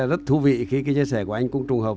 rất thú vị khi cái chia sẻ của anh cũng trùng hợp